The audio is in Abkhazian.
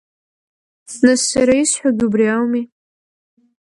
Нас сара исҳәогь убри ауми…